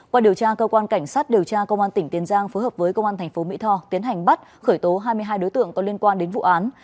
qua điều tra cơ quan cảnh sát điều tra công an tỉnh tiền giang phối hợp với công an tp mỹ tho tiến hành bắt khởi tố hai mươi hai đối tượng có liên quan đến vụ án